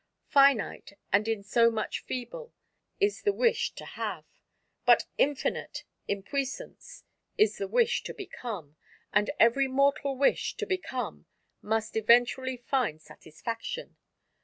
Finite, and in so much feeble, is the wish to have: but infinite in puissance is the wish to become; and every mortal wish to become must eventually find satisfaction.